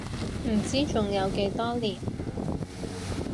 唔知仲有幾多年